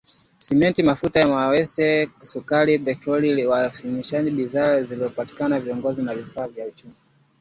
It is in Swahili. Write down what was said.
Simenti mafuta ya mawese mchele sukari petroli iliyosafishwa bidhaa zilizopikwa vipodozi na vifaa vya chuma